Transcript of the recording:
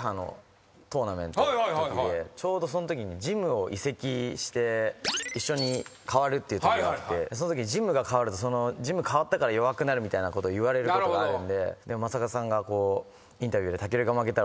ちょうどそのときにジムを移籍して一緒に変わるっていうときがあってジムが変わるとジム変わったから弱くなるみたいなことを言われることがあるので雅和さんがインタビューで。